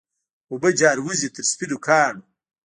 اوبه جاروزي تر سپینو کاڼو